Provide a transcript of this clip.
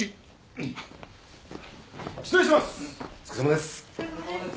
お疲れさまです。